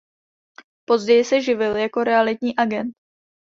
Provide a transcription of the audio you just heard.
Později se živil jako realitní agent.